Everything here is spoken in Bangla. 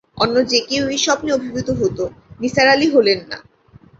অন্য যে-কেউ এই স্বপ্নে অভিভূত হত, নিসার আলি হলেন না।